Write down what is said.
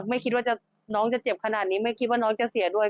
ไม่คิดว่าน้องจะเจ็บขนาดนี้ไม่คิดว่าน้องจะเสียด้วย